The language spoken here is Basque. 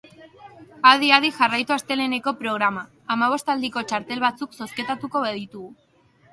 Adi adi jarraitu asteleheneko programa, hamabostaldiko txartel batzuk zozketatuko baititugu.